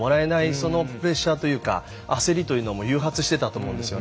そのプレッシャーというか焦りも誘発していたと思います。